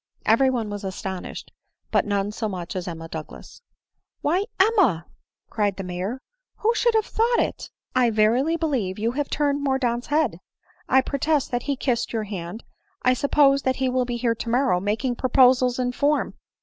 Every one was astonished; but none so much as Emma Douglas. " Why, Emma !" cried the Major, " who should have thought it ? I verily believe you have turned Mordaunt's head ;— I protest that he kissed your hand ;— I suppose that he will be here tomorrow, making proposals in form."